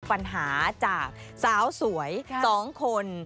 ปัญหาจากสาวสวย๒คน